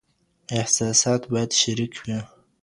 احساسات بايد شريک شي.